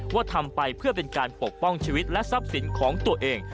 ว่าทำไปเพื่อเป็นการปกป้องชีวิตและทรัพย์สินของตัวเอง